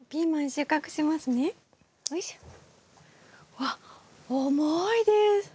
わっ重いです。